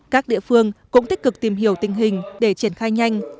các địa phương cũng tích cực tìm hiểu tình hình để triển khai nhanh